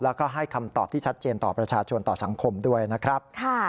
แล้วก็ให้คำตอบที่ชัดเจนต่อประชาชนต่อสังคมด้วยนะครับ